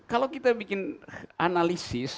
kalau kita bikin analisis